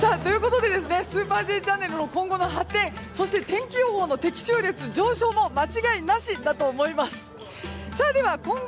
「スーパーＪチャンネル」の今後の発展天気予報の的中率上昇も間違いなしだと思います。